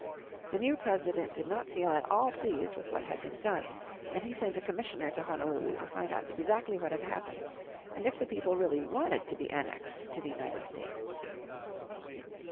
The new President did not feel at all pleased with what had been done, and he sent a commissioner to Honolulu to find out exactly what had happened, and if the people really wanted to be annexed to the United States.